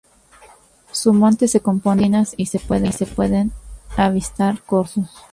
Su monte se compone de encinas y se pueden avistar corzos.